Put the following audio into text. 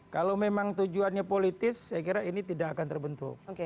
kalau memang tujuannya politis saya kira ini tidak akan terbentuk